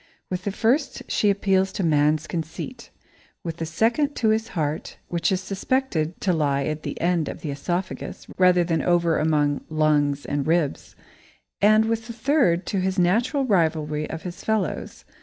With the first she appeals to man's conceit, with the second to his heart, which is suspected to lie at the end of the oesophagus, rather than over among lungs and ribs, and with the third to his natural rivalry of his fellows.